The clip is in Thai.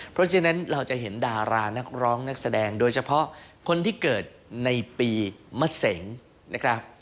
เพราะฉะนั้นเราจะเห็นดารานักร้องนักแสดงโดยเฉพาะคนที่เกิดในปีมะเสงนะครับ